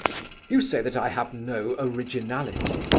You say that I have no originality.